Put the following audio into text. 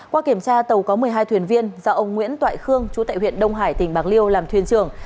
qua kiểm tra tàu có một mươi hai thuyền viên do ông nguyễn toại khương chú tại huyện đông hải tỉnh bạc liêu làm thuyền trưởng